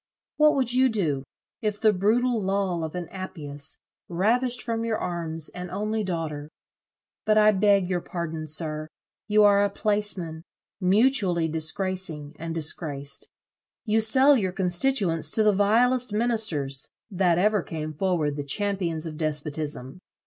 What would you do, if the brutal lull of an Appius ravished from your arms an only daughter? But I beg your pardon, sir. You are a placeman, mutually disgracing and disgraced. You sell your constituents to the vilest ministers, that ever came forward the champions of despotism.